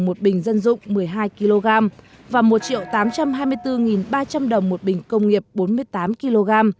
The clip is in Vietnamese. một bình dân dụng một mươi hai kg và một tám trăm hai mươi bốn ba trăm linh đồng một bình công nghiệp bốn mươi tám kg